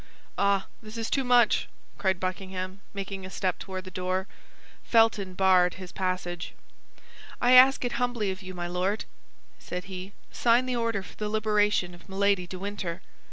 "Ah, this is too much!" cried Buckingham, making a step toward the door. Felton barred his passage. "I ask it humbly of you, my Lord," said he; "sign the order for the liberation of Milady de Winter.